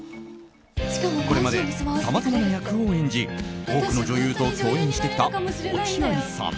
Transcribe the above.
これまでさまざまな役を演じ多くの女優と共演してきた落合さん。